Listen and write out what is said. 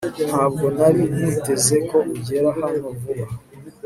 ntabwo nari niteze ko ugera hano vuba